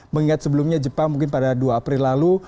mengingat sebelumnya jepang mungkin pada dua april lalu